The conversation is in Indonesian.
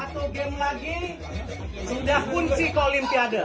tapi gampang sekali tadi eh